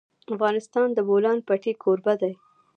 افغانستان د د بولان پټي کوربه دی.